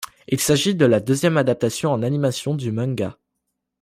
Il s'agit de la deuxième adaptation en animation du manga.